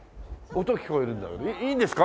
音聞こえるんだけどいいんですか？